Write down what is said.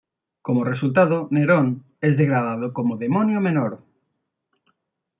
Como resultado, Neron es degradado como demonio menor.